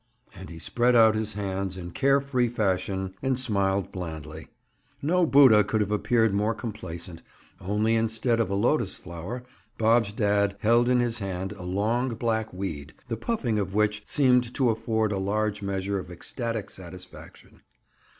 And he spread out his hands in care free fashion and smiled blandly. No Buddha could have appeared more complacent—only instead of a lotus flower, Bob's dad held in his hand a long black weed, the puffing of which seemed to afford a large measure of ecstatic satisfaction.